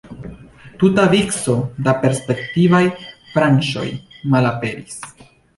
Tuta vico da perspektivaj branĉoj malaperis.